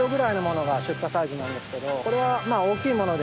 これは。